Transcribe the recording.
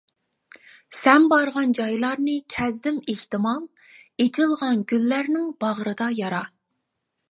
سەن بارغان جايلارنى كەزدىم ئېھتىمال، ئېچىلغان گۈللەرنىڭ باغرىدا يارا.